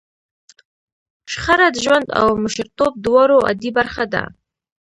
شخړه د ژوند او مشرتوب دواړو عادي برخه ده.